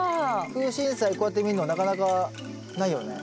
クウシンサイこうやって見るのはなかなかないよね。